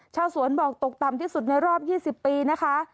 ชาวสวนบอกตกต่ำที่สุดในรอบ๒๐ปีนะคะ